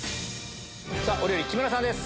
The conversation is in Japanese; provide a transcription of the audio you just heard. ⁉お料理木村さんです。